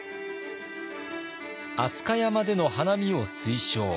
飛鳥山での花見を推奨。